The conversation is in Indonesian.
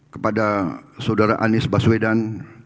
kepada saudara anies baswedan